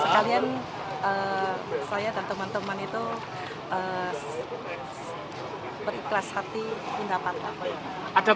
kalian saya dan teman teman itu berikhlas hati pindah partai